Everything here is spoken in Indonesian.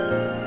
sini dulu ya